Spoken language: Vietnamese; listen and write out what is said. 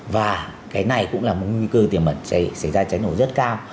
và cái này cũng là một nguy cơ tiềm mẩn xảy ra cháy nổ rất cao